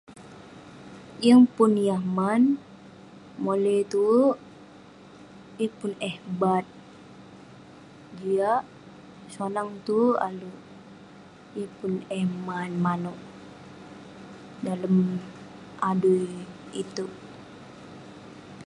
Yeng pun yah man, mole tuwerk..yeng pun eh bat, jiak..sonang tuwerk alek..yeng pun eh man manouk, dalem adui itouk..